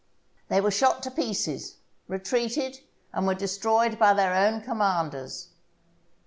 They were shot to pieces, retreated, and were destroyed by their own commanders.